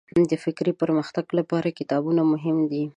د فکري پرمختګ لپاره کتابونه مهم دي.